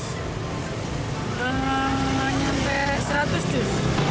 hanya sampai seratus dus